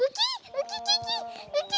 ウキキウキ！